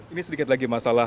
ini sedikit lagi masalah